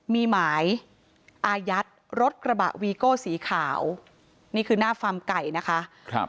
มีหมายอายัดรถกระบะวีโก้สีขาวนี่คือหน้าฟาร์มไก่นะคะครับ